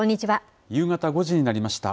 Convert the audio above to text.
夕方５時になりました。